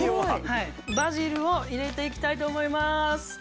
バジルを入れていきたいと思います。